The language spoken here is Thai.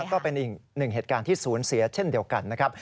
ก็เป็นอีกหนึ่งเหตุการณ์ที่ศูนย์เสียเช่นเดียวกันนะครับ